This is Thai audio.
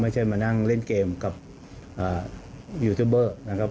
ไม่ใช่มานั่งเล่นเกมกับยูทูบเบอร์นะครับ